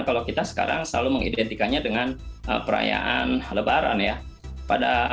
kalau kita sekarang selalu mengidentikannya dengan perayaan lebaran ya